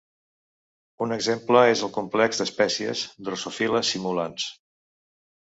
Un exemple és el complex d'espècies 'Drosophila simulans'.